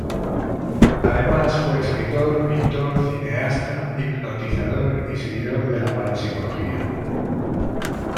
Además, fue escritor, pintor, cineasta, hipnotizador y seguidor de la parapsicología.